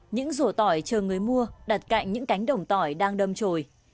những rổ tỏi chờ người mua đặt cạnh những cánh đồng tỏi đang đâm trồi